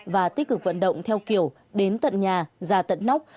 và tích cực vận động theo kiểu đến tận nhà ra tận nóc